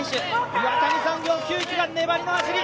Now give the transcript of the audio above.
岩谷産業・久木は粘りの走り